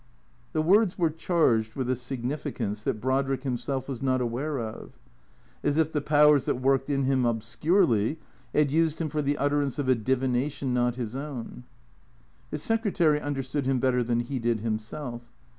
The words were charged with a significance that Brodrick himself was not aware of; as if the powers that worked in him obscurely had used him for the utterance of a divination not his own. His secretary understood him better than he did himself.